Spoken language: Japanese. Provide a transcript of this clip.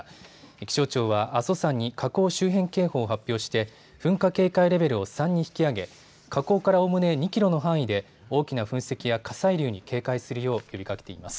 気象庁は阿蘇山に火口周辺警報を発表して噴火警戒レベルを３に引き上げ火口からおおむね２キロの範囲で大きな噴石や火砕流に警戒するよう呼びかけています。